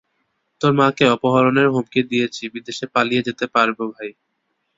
তোর মাকে অপহরণের হুমকি দিয়ে, বিদেশে পালিয়ে যেতে পারব, ভাই।